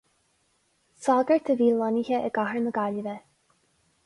Sagart a bhí lonnaithe i gcathair na Gaillimhe.